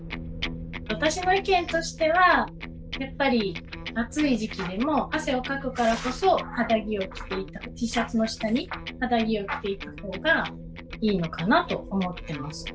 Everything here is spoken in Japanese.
私の意見としてはやっぱり暑い時期でも汗をかくからこそＴシャツの下に肌着を着ていく方がいいのかなと思ってます。